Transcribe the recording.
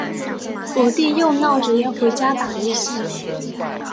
我弟又闹着要回家打游戏。